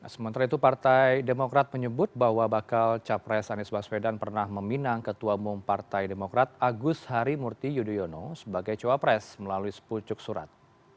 sementara itu partai demokrat menyebut bahwa bakal capres anies baswedan pernah meminang ketua umum partai demokrat agus harimurti yudhoyono sebagai cawapres melalui sepucuk surat